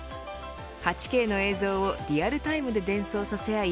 ８Ｋの映像をリアルタイムで伝送させ合い